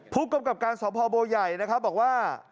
ผู้กรรมการสมภาพบัตรใหญ่นะครับบอกว่า